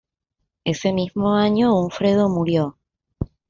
Ese mismo año Hunfredo murió.